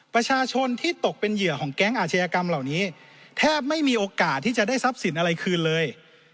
ประชาชนที่ตกเป็นเหยื่อของแก๊งอาชญากรรมเหล่านี้แทบไม่มีโอกาสที่จะได้ทรัพย์สินอะไรคืนเลย